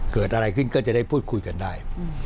เกิดอะไรขึ้นก็จะได้พูดคุยกันได้